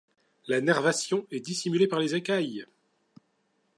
La nervation est dissimulée par les écailles.